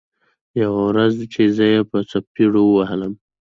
يوه ورځ چې زه يې په څپېړو ووهلم.